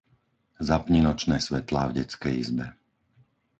Zapni nočné svetlá v detskej izbe.